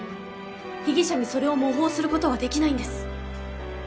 被疑者にそれを模倣することはできないんです。